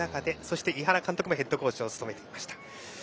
井原監督もヘッドコーチを務めていました。